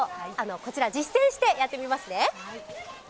こちら実践してやってみますね。